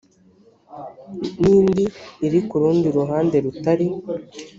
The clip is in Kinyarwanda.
n indi iri ku rundi ruhande rutari